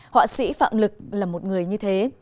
họa sĩ phạm lực là một người như thế